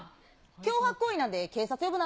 脅迫行為なんで、警察呼ぶな。